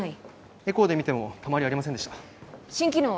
エコーで見ても溜まりありませんでした心機能は？